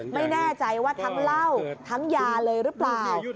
ไม่แน่ใจว่าทั้งเหล้าทั้งยาเลยหรือเปล่า